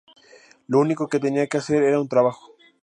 Lo único que tenía que hacer era un "trabajo".